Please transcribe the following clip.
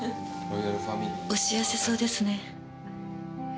お幸せそうですね。